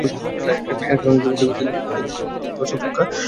এর কারণ হিসেবে তিনি বলেন, "টেলিভিশনের দর্শক সংখ্যা।"